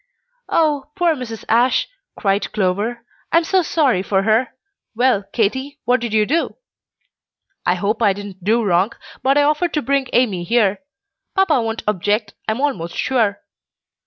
"Oh, poor Mrs. Ashe!" cried Clover; "I am so sorry for her! Well, Katy, what did you do?" "I hope I didn't do wrong, but I offered to bring Amy here. Papa won't object, I am almost sure."